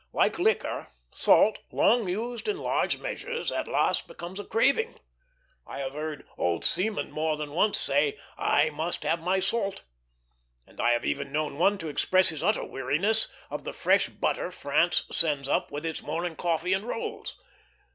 Like liquor, salt, long used in large measures, at last becomes a craving. I have heard old seamen more than once say, "I must have my salt;" and I have even known one to express his utter weariness of the fresh butter France sends up with its morning coffee and rolls.